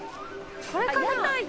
これかな？